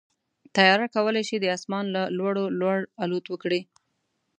طیاره کولی شي د اسمان له لوړو لوړ الوت وکړي.